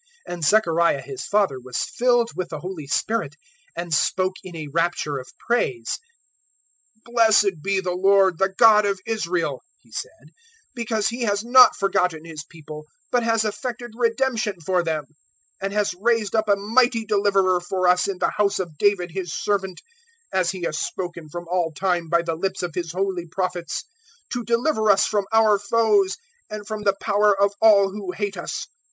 001:067 And Zechariah his father was filled with the Holy Spirit, and spoke in a rapture of praise. 001:068 "Blessed be the Lord, the God of Israel," he said, "Because He has not forgotten His people but has effected redemption for them, 001:069 And has raised up a mighty Deliverer for us In the house of David His servant 001:070 As He has spoken from all time by the lips of His holy Prophets 001:071 To deliver us from our foes and from the power of all who hate us.